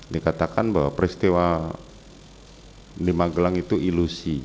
dikatakan bahwa peristiwa di magelang itu ilusi